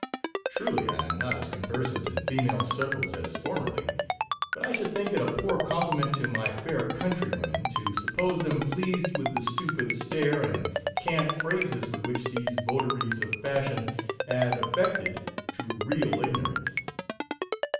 Truly, I am not as conversant in female circles as for merly; but I should think it a poor compli ment to my fair countrywomen, to suppose them pleased with the stupid stare and cant phrases with which these votaries of fashion add affected to real ignorance.